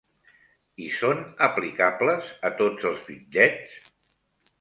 I són aplicables a tots els bitllets?